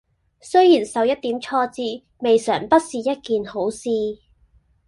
雖然受一點挫折未嘗不是一件好事！